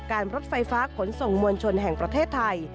รถไฟฟ้าขนส่งมวลชนแห่งประเทศไทย